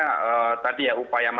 ya tadi ya